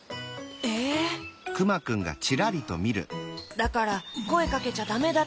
だからこえかけちゃダメだって。